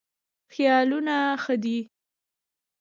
خیالونه ښه دي.